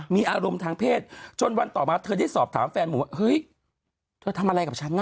มีอารมณ์ทางเพศจนวันต่อมาเธอได้สอบถามแฟนหมูว่าเฮ้ยเธอทำอะไรกับฉันน่ะ